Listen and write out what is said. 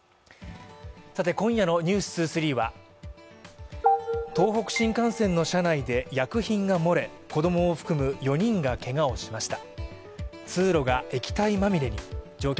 今夜の「ｎｅｗｓ２３」は東北新幹線の車内で薬品が漏れ子供を含む４人がけがをしました。